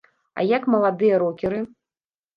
А як маладыя рокеры?